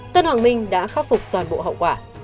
tân hoàng minh đã khắc phục toàn bộ hậu quả